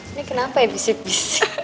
ini kenapa ya bisik bisik